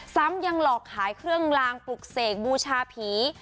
ซ้ำยังหลอกขายเครื่องลางปลุกเสกบูชาผี